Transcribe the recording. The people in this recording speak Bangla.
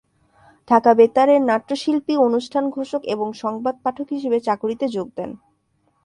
ঢাকা বেতারের নাট্য শিল্পী, অনুষ্ঠান ঘোষক এবং সংবাদ পাঠক হিসেবে চাকুরিতে যোগ দেন।